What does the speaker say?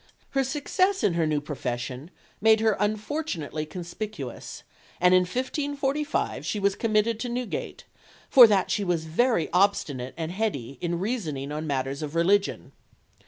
Her success in her new profession made her unfortunately conspicuous, and in 1545 she was committed to Newgate, "for that she was very obstinate and heady in reasoning on matters of religion."